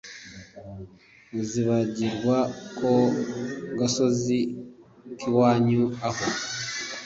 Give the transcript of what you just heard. uzibagirwa ka gasozi k'iwanyu aho